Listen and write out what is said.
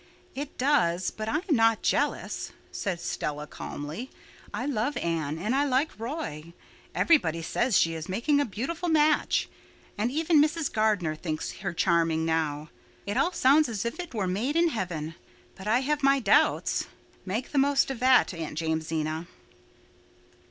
"It does—but I am not jealous," said Stella calmly. "I love Anne and I like Roy. Everybody says she is making a brilliant match, and even Mrs. Gardner thinks her charming now. It all sounds as if it were made in heaven, but I have my doubts. Make the most of that, Aunt Jamesina."